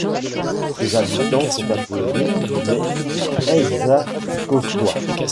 Ses habitants sont appelés les Ayzacostois.